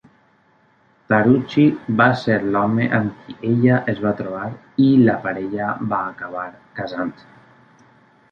Taruci va ser l'home amb qui ella es va trobar i la parella va acabar casant-se.